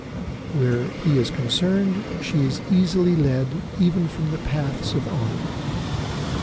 Where he is concerned she is easily led even from the paths of honour.